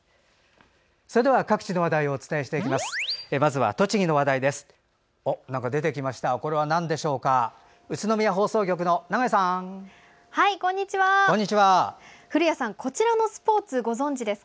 それでは、各地の話題をお伝えします。